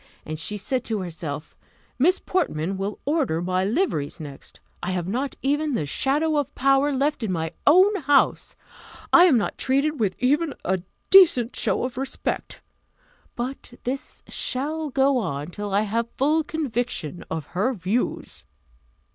And she said to herself, "Miss Portman will order my liveries next! I have not even the shadow of power left in my own house! I am not treated with even a decent show of respect! But this shall go on till I have full conviction of her views."